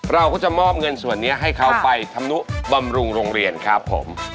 เราก็จะมอบเงินส่วนนี้ให้เขาไปทำนุบำรุงโรงเรียนครับผม